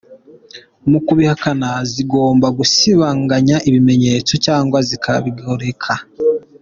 Mu kubihakana zigomba gusibanganya ibimenyetso cyangwa zikabigoreka.